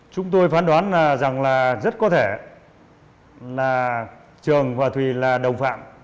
chúng tôi phán đoán rằng là rất có thể là trường và thùy là đồng phạm